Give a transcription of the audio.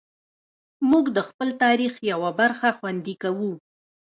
موږ د خپل تاریخ یوه برخه خوندي کوو.